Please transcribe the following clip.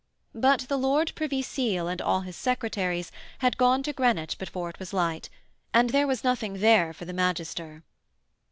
But the Lord Privy Seal and all his secretaries had gone to Greenwich before it was light, and there was nothing there for the magister.